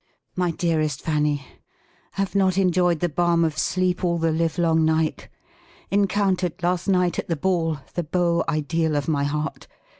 MY DEAKEST FANNY, Have not enjoyed the balm of sleep all the live long night. Encountered, last night, at the ball, the beau ideal of my heart.